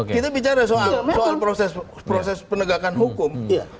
kita bicara soal proses penegakan hukum